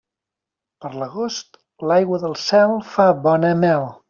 Per l'agost, l'aigua del cel fa bona mel.